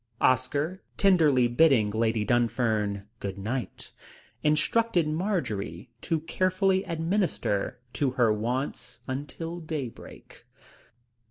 Oscar, tenderly bidding Lady Dunfern "Good night," instructed Marjory to carefully administer to her wants until daybreak.